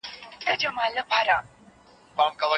هيله ده چي زموږ ټولنه له سياسي پلوه بشپړ پرمختګ وکړي.